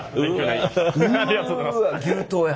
うわ牛刀や。